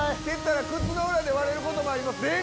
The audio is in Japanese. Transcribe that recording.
蹴ったら靴の裏で割れることもあります。